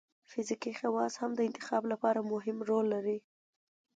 فزیکي خواص هم د انتخاب لپاره مهم رول لري.